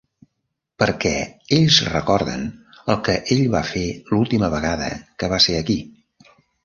Perquè ells recorden el que ell va fer l'última vegada que va ser aquí.